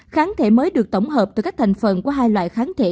kháng thể mới được tổng hợp từ các thành phần của hai loại kháng thể